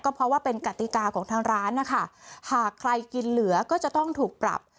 เพราะว่าเป็นกติกาของทางร้านนะคะหากใครกินเหลือก็จะต้องถูกปรับ